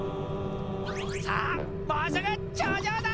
さあもうすぐちょうじょうだ！